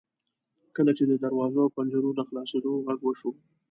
کله چې د دروازو او پنجرو د خلاصیدو غږ وشو.